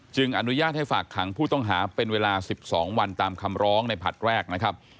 อนุญาตให้ฝากขังผู้ต้องหาเป็นเวลา๑๒วันตามคำร้องในผลัดแรกนะครับ